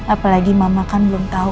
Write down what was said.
apalagi mama kan belum tahu